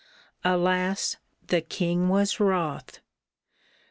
Alas ! the king was wroth.